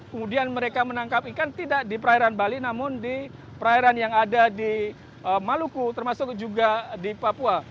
kemudian mereka menangkap ikan tidak di perairan bali namun di perairan yang ada di maluku termasuk juga di papua